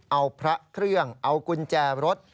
เอาพระเครื่องเอากุญแจรถ